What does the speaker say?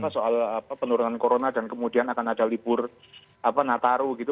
soal penurunan corona dan kemudian akan ada libur nataru gitu